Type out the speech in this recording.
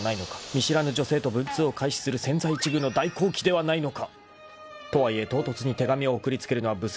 ［見知らぬ女性と文通を開始する千載一遇の大好機ではないのか！？とはいえ唐突に手紙を送りつけるのは無粋。